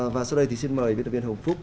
và sau đây thì xin mời viên động viên hồng phúc